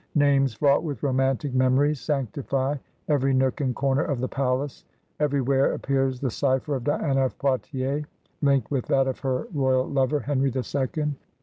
Names fraught with romantic memories sanctify every nook and corner of the palace. Everywhere appears the cypher of Diana of Poitiers linked with that of her royal lover, Henry the Second.